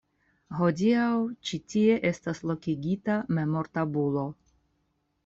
Hodiaŭ ĉi tie estas lokigita memortabulo.